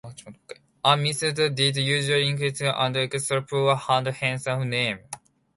A misere bid usually indicates an extremely poor hand, hence the name.